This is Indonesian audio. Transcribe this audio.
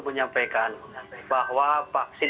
menyampaikan bahwa vaksin